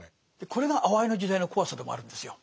これがあわいの時代の怖さでもあるんですよ。